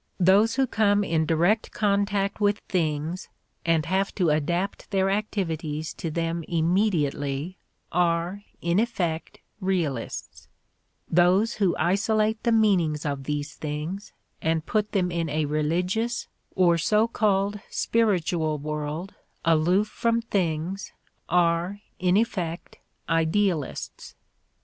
Those who come in direct contact with things and have to adapt their activities to them immediately are, in effect, realists; those who isolate the meanings of these things and put them in a religious or so called spiritual world aloof from things are, in effect, idealists.